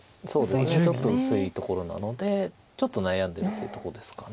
ちょっと薄いところなのでちょっと悩んでるというとこですか。